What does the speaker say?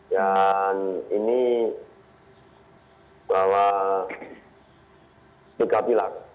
dan ini bahwa tiga pilar